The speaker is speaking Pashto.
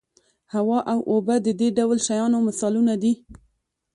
هوا او اوبه د دې ډول شیانو مثالونه دي.